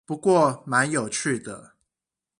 不過蠻有趣的